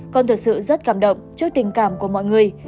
con thật sự rất cảm động trước tình cảm của mọi người